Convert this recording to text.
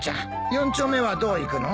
４丁目はどう行くの？